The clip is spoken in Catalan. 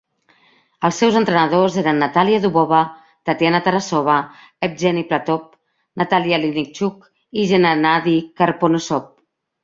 Els seus entrenadors eren Natalia Dubova, Tatiana Tarasova, Evgeni Platov, Natalia Linichuk i Gennadi Karponosov.